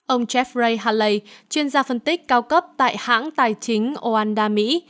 ông jeffrey halley chuyên gia phân tích cao cấp tại hãng tài chính oanda mỹ